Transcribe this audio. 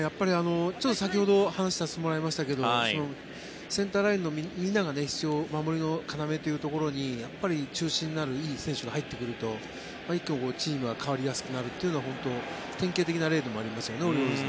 先ほど話をさせてもらいましたけどセンターラインのみんなが守りの要というところにやっぱり中心になるいい選手が入ってくると一挙にチームが変わりやすくなるという典型的な例でもありますよね